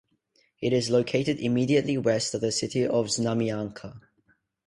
It is located immediately west of the city of Znamianka.